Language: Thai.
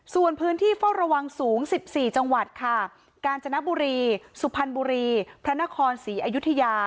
ส่วนพื้นที่เฝ้าระวังสูง๑๔จังหวัดค่ะกาญจนบุรีสุพรรณบุรีพระนครศรีอยุธยา